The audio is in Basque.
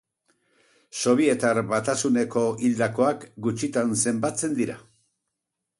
Sobietar Batasuneko hildakoak gutxitan zenbatzen dira.